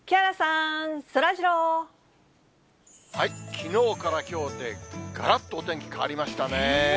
きのうからきょうで、がらっとお天気変わりましたね。